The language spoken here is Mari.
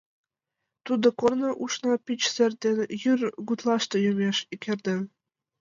Тудо корно ушна пич сер ден, Йӱр гутлаште йомеш ик эрден.